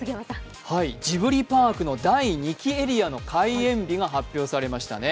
ジブリパークの第２期エリアの開園日が発表されましたね。